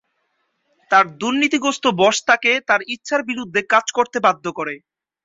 তার দুর্নীতিগ্রস্ত বস তাকে তার ইচ্ছার বিরুদ্ধে কাজ করতে বাধ্য করে।